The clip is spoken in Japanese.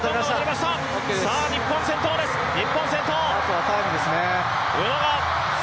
日本、先頭。